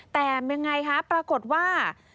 แต่ยังไงคะปรากฏว่า